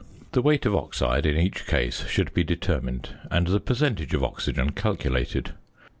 The weight of oxide, in each case, should be determined; and the percentage of oxygen calculated.